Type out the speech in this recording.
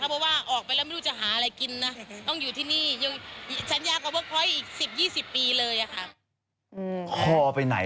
เพราะว่าคุณปัญญาก็มาคุยกับพี่ตุ๊กกี้ว่าเราอยากให้โอกาสลองเด็กใหม่มามีบทบาท